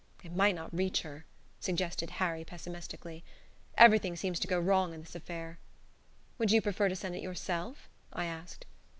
"It might not reach her," suggested Harry, pessimistically. "Everything seems to go wrong in this affair." "Would you prefer to send it yourself?" I asked.